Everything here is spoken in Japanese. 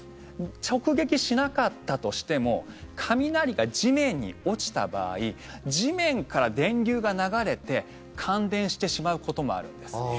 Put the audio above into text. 直撃しなかったとしても雷が地面に落ちた場合地面から電流が流れて感電してしまうこともあるんです。